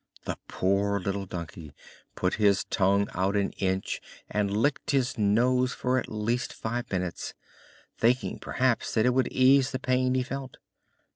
The poor little donkey put his tongue out an inch and licked his nose for at least five minutes, thinking perhaps that it would ease the pain he felt.